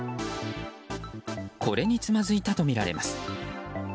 これにつまずいたとみられます。